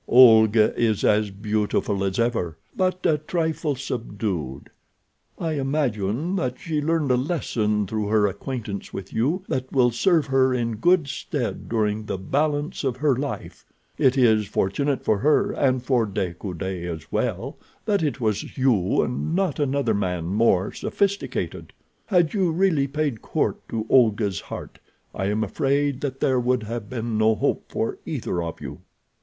Olga is as beautiful as ever, but a trifle subdued. I imagine that she learned a lesson through her acquaintance with you that will serve her in good stead during the balance of her life. It is fortunate for her, and for De Coude as well, that it was you and not another man more sophisticated. Had you really paid court to Olga's heart I am afraid that there would have been no hope for either of you.